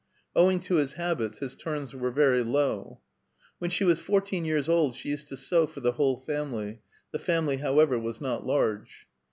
Owing to his habits his terms were very low. When she was fourteen years old she used to sew for the whole family ; the famil}', however, was not large.